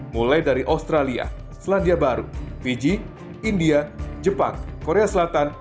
mulai dari australia selandia baru fiji india jepang korea selatan